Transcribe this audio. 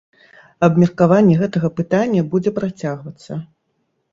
Абмеркаванне гэтага пытання будзе працягвацца.